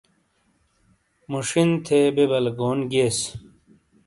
موشین تھے بے بلے گون گییس۔